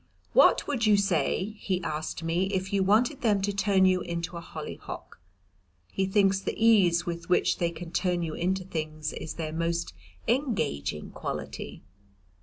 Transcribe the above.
"What would you say," he asked me, "if you wanted them to turn you into a hollyhock?" He thinks the ease with which they can turn you into things is their most engaging quality.